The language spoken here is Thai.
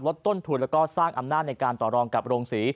ต้นทุนแล้วก็สร้างอำนาจในการต่อรองกับโรงศรี